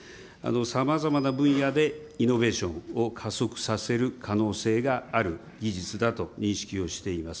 さまざまな分野でイノベーションを加速させる可能性がある技術だと認識をしています。